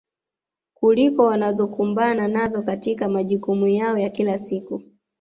kuliko wanazokumbana nazo katika majukumu yao ya kila siku